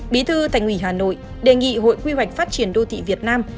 bí thư thành ủy hà nội đề nghị hội quy hoạch phát triển đô thị việt nam